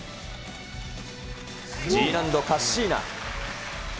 Ｇ難度カッシーナ。